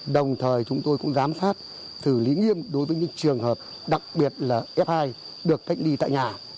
đồng thời chúng tôi cũng giám sát xử lý nghiêm đối với những trường hợp đặc biệt là f hai được cách ly tại nhà